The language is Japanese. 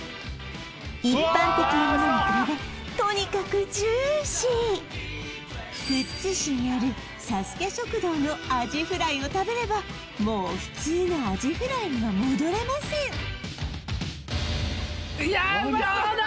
一般的なものに比べとにかくジューシー富津市にあるさすけ食堂のアジフライを食べればもう普通のアジフライには戻れませんいやうまそうだ！